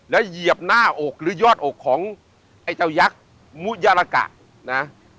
แล้วเหยียบหน้าอกหรือยอดอกของไอ้เจ้ายักษ์มุยาลากะนะ